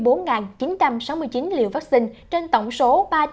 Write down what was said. bumatut đã tiêm hai trăm bảy mươi bốn chín trăm sáu mươi chín liều vaccine trên tổng số